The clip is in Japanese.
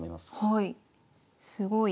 はい。